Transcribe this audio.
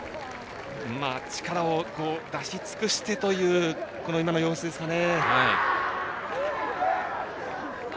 力を出し尽くしてという今の様子ですかね。